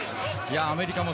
アメリカも